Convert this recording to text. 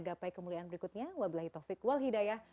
gapai kemuliaan berikutnya wa bilahi taufiq wal hidayah